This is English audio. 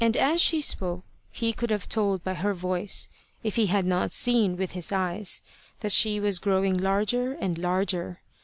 As she spoke he could have told by her voice, if he had not seen with his eyes, that she was growing larger and larger.